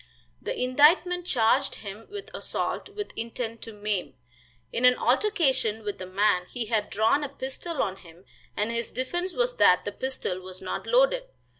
The indictment charged him with assault with intent to maim. In an altercation with a man, he had drawn a pistol on him, and his defense was that the pistol was not loaded.